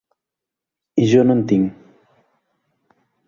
I jo no en tinc.